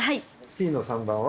Ｔの３番は？